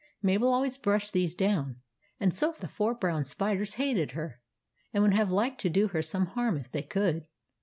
Mabel always brushed these down ; and so the four brown spiders hated her, and would have liked to do her some harm if they could.